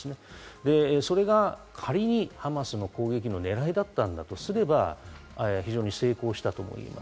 それが、仮にハマスの攻撃の狙いだったんだとすれば、非常に成功したと思います。